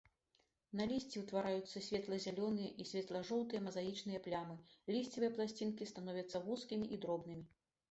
На лісці ўтвараюцца светла-зялёныя і светла-жоўтыя мазаічныя плямы, лісцевыя пласцінкі становяцца вузкімі і дробнымі.